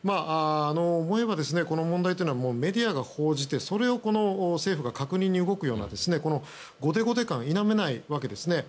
思えば、この問題というのはメディアが報じてそれを政府が確認に動くような後手後手感が否めないわけですね。